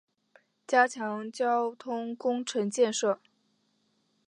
加强交通工程建设